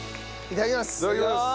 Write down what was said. いただきます！